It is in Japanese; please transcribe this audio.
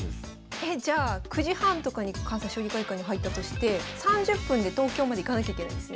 えじゃあ９時半とかに関西将棋会館に入ったとして３０分で東京まで行かなきゃいけないんですね？